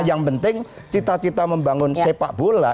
yang penting cita cita membangun sepak bola